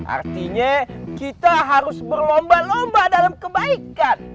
artinya kita harus berlomba lomba dalam kebaikan